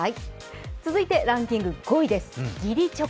続いてランキング５位です、義理チョコ。